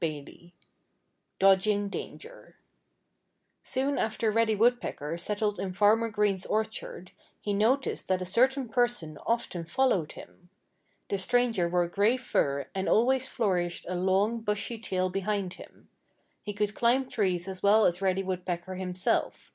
*XXII* *DODGING DANGER* Soon after Reddy Woodpecker settled in Farmer Green's orchard he noticed that a certain person often followed him. The stranger wore gray fur and always flourished a long, bushy tail behind him. He could climb trees as well as Reddy Woodpecker himself.